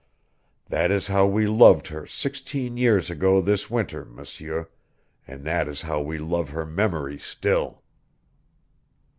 That is how we loved her sixteen years ago this winter, M'seur, and that is how we love her memory still."